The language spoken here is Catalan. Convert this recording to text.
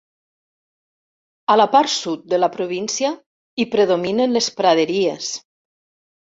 A la part sud de la província hi predominen les praderies.